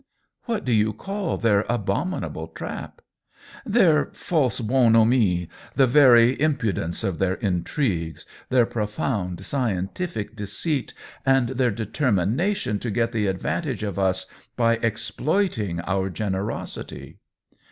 "What do you call their abominable trap ?" "Their false bonhomie^ the very impu dence of their intrigues, their profound, scientific deceit, and their determination to get the advantage of us by exploiting our generosity."